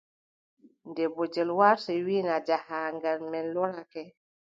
Nde bojel warti, wii, naa jahaangal men lorake?